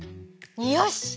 よし！